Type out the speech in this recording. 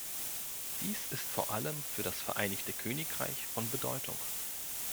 Dies ist vor allem für das Vereinigte Königreich von Bedeutung.